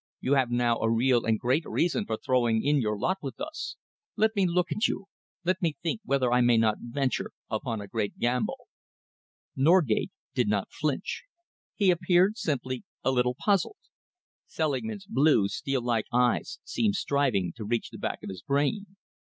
You have now a real and great reason for throwing in your lot with us. Let me look at you. Let me think whether I may not venture upon a great gamble." Norgate did not flinch. He appeared simply a little puzzled. Selingman's blue, steel like eyes seemed striving to reach the back of his brain.